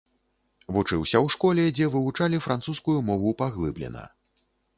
Вучыўся ў школе, дзе вывучалі французскую мову паглыблена.